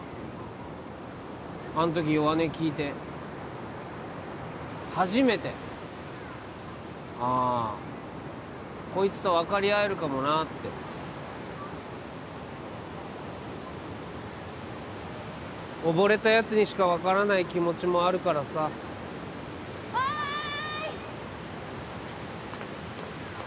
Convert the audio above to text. あん時弱音聞いて初めてああこいつと分かり合えるかもなって溺れたヤツにしか分からない気持ちもあるからさおい！